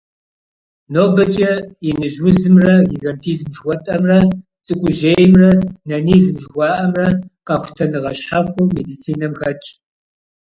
НобэкӀэ «иныжь узымрэ» - гигантизм жыхуэтӀэмрэ, «цӀыкӀужьеймрэ» - нанизм жыхуаӀэмрэ къэхутэныгъэ щхьэхуэу медицинэм хэтщ.